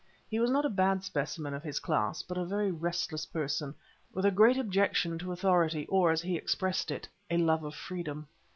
He was not a bad specimen of his class, but a very restless person, with a great objection to authority, or, as he expressed it, "a love of freedom."